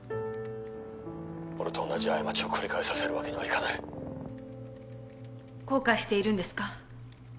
俺と同じ過ちを繰り返させるわけにはいかない後悔しているんですか？